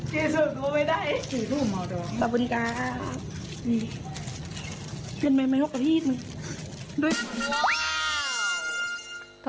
เจสุก็ไม่ได้